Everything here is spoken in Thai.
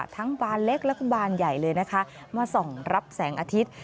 บานเล็กแล้วก็บานใหญ่เลยนะคะมาส่องรับแสงอาทิตย์